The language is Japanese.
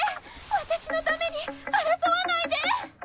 私のために争わないで！